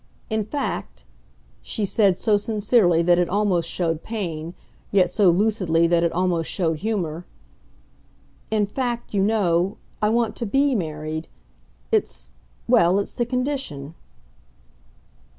In fact," she said, so sincerely that it almost showed pain, yet so lucidly that it almost showed humour, "in fact, you know, I want to BE married. It's well, it's the condition."